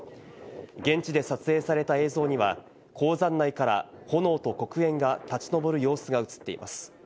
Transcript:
現地で撮影された映像には、鉱山内から炎と黒煙が立ち上る様子が映っています。